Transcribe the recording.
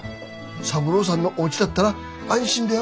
三郎さんのおうちだったら安心だよ。